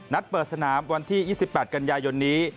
เปิดสนามวันที่๒๘กันยายนนี้